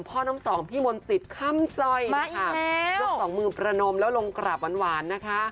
พ่อน้ำสองพี่มนต์สิตค่ำซอยมาอีกแล้วยกสองมือประนมแล้วลงกราบหวานหวานนะคะ